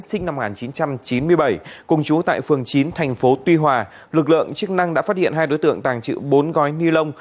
sinh năm một nghìn chín trăm chín mươi bảy cùng chú tại phường chín thành phố tuy hòa lực lượng chức năng đã phát hiện hai đối tượng tàng chữ bốn gói ni lông